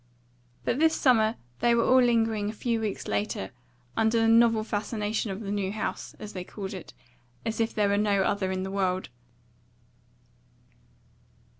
But this summer they were all lingering a few weeks later, under the novel fascination of the new house, as they called it, as if there were no other in the world.